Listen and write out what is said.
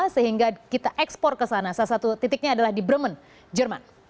sehingga kita ekspor ke sana salah satu titiknya adalah di bremen jerman